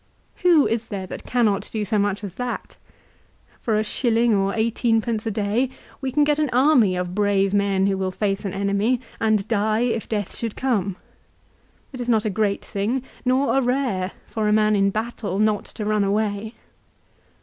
Who is there cannot do so much as that ? For a shil ling or eighteenpence a day we can get an army of brave men who will face an enemy, and die if death should come. It is not a great thing, nor a rare, for a man in battle not to run away.